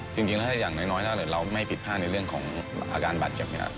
จริงแล้วถ้าอย่างน้อยถ้าเราไม่ผิดผ้าในเรื่องของอาการบัตรอย่างนี้